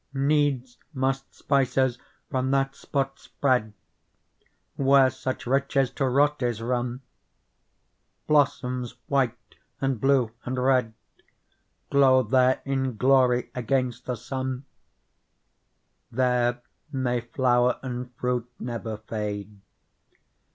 Needs must spices from that spot spread Where such riches to rot is run : Blossoms white and blue and red Glow there in glory against the sun : There may flower and fruit never fade.